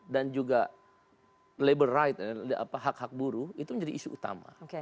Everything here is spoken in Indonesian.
dan juga labor rights hak hak buruh itu menjadi isu utama